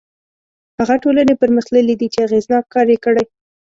هغه ټولنې پرمختللي دي چې اغېزناک کار یې کړی.